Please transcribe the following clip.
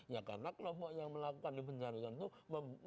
ya karena kelompok yang melakukan penjaringan itu